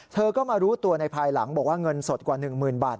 เธอก็มารู้ตัวในภายหลังบอกว่าเงินสดกว่า๑๐๐๐บาท